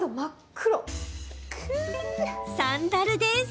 サンダルです。